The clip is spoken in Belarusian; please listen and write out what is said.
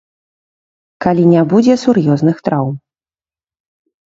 Калі не будзе сур'ёзных траўм.